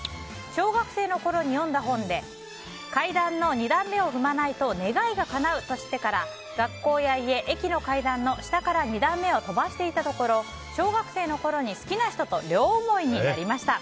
小学生のころに読んだ本で階段の２段目を踏まないと願いがかなうと知ってから学校や家、駅の階段の下から２段目を飛ばしていたところ小学生のころに好きな人と両思いになりました。